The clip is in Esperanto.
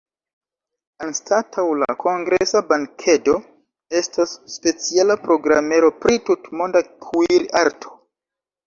Anstataŭ la kongresa bankedo, estos speciala programero pri tutmonda kuir-arto.